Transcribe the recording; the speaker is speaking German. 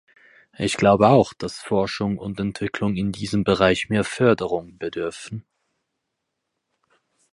Ich glaube auch, dass Forschung und Entwicklung in diesem Bereich mehr Förderung bedürfen.